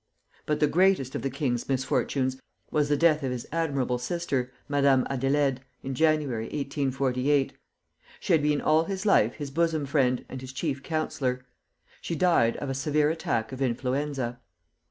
But the greatest of the king's misfortunes was the death of his admirable sister, Madame Adélaïde, in January, 1848. She had been all his life his bosom friend and his chief counsellor. She died of a severe attack of influenza.